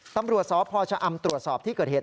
ตำรวจสพชะอำตรวจสอบที่เกิดเหตุ